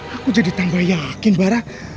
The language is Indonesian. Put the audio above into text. aku jadi tambah yakin barah